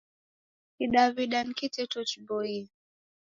Kidaw'ida ni kiteto chiboie.